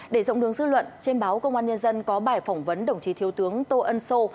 để rộng đường dư luận trên báo công an nhân dân có bài phỏng vấn đồng chí thiếu tướng tô ân sô